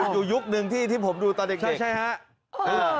อยู่ยุคหนึ่งที่ผมดูตอนเด็กใช่ฮะ